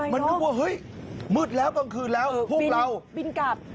มันนึกว่าเฮ้ยมืดแล้วกลางคืนแล้วพวกเราบินกลับ